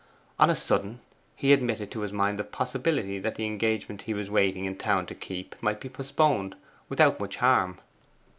On a sudden he admitted to his mind the possibility that the engagement he was waiting in town to keep might be postponed without much harm.